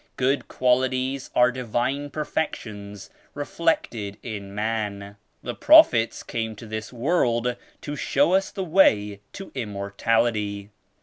Good qualities are Divine perfections reflected in man. The Prophets came to this world to show us the way to Immortality.